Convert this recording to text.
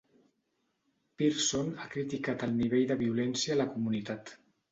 Pearson ha criticat el nivell de violència a la comunitat.